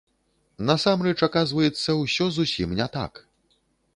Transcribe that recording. Насамрэч, аказваецца, усё зусім не так.